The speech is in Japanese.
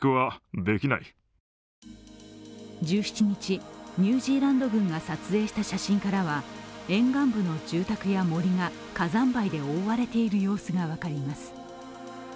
１７日、ニュージーランド軍が撮影した写真からは沿岸部の住宅や森が火山灰で覆われている様子が分かります。